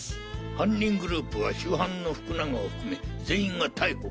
犯人グループは主犯の福永を含め全員が逮捕。